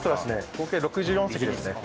合計６４席ですね